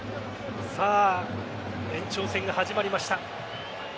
延長戦が始まりました。